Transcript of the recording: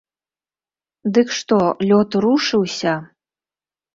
Дык што лёд рушыўся?